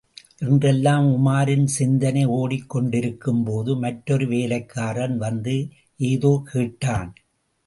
என்றெல்லாம் உமாரின் சிந்தனை ஓடிக் கொண்டிருக்கும்போது, மற்றொரு வேலைக்காரன் வந்து ஏதோ கேட்டான்.